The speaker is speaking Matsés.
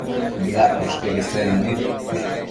Bëaccosh queque isednu nid